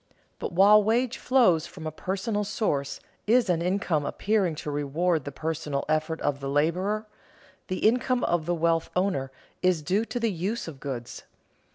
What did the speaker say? But while wage flows from a personal source is an income appearing to reward the personal effort of the laborer, the income of the wealth owner is due to the uses of goods.